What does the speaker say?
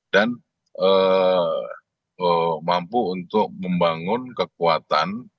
dan mampu untuk membangun kekuatan